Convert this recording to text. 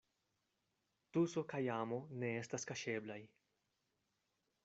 Tuso kaj amo ne estas kaŝeblaj.